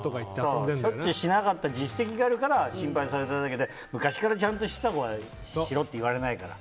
しなかった実績があるから心配されただけで昔からちゃんとしていた子はしろって言われないから。